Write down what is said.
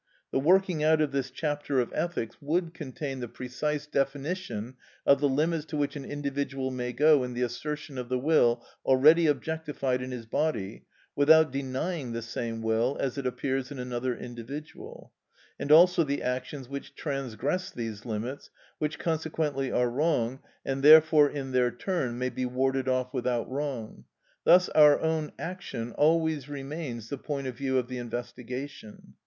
The working out of this chapter of ethics would contain the precise definition of the limits to which an individual may go in the assertion of the will already objectified in his body without denying the same will as it appears in another individual; and also the actions which transgress these limits, which consequently are wrong, and therefore in their turn may be warded off without wrong. Thus our own action always remains the point of view of the investigation.